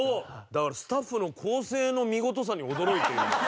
だから、スタッフの構成の見事さに驚いている。